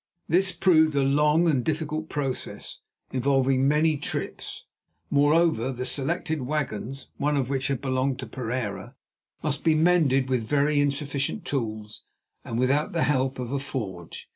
This proved a long and difficult process, involving many trial trips; moreover, the selected wagons, one of which had belonged to Pereira, must be mended with very insufficient tools and without the help of a forge.